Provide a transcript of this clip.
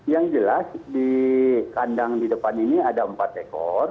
yang jelas di kandang di depan ini ada empat ekor